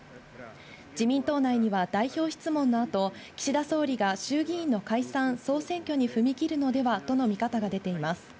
自民党内には代表質問の後、岸田総理が衆議院の解散・総選挙に踏み切るのではとの見方が出ています。